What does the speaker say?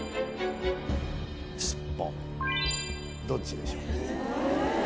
どっちでしょう？